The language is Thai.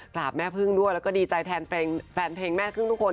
แม่พึ่งด้วยแล้วก็ดีใจแทนแฟนเพลงแม่พึ่งทุกคน